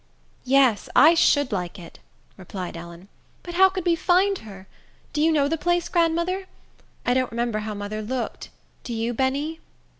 "Yes, I should like it," replied Ellen; "but how could we find her? Do you know the place, grandmother? I don't remember how mother looked—do you, Benny?"